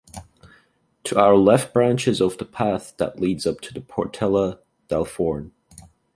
To our left branches off the path that leads up to the Portella del Forn.